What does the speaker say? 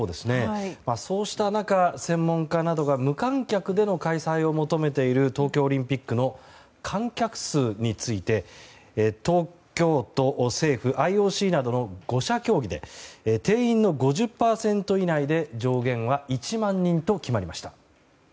そうした中、専門家などが無観客での開催を求めている東京オリンピックの観客数について東京都、政府、ＩＯＣなどの５者協議で定員の５０％以内で上限は１万人と決まりました。